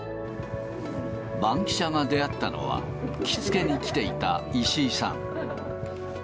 バンキシャが出会ったのは、着付けに来ていた石井さん。